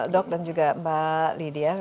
dok dan juga mbak lydia